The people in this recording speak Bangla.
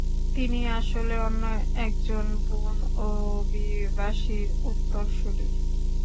তিনি আসলে অন্য একজন বুন অভিবাসীর উত্তরসূরি।